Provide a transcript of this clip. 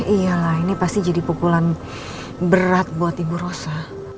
iya lah ini pasti jadi pukulan berat buat ibu rosa